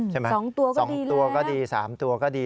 ใช่ไหมสองตัวก็ดีเลยนะครับสองตัวก็ดีสามตัวก็ดี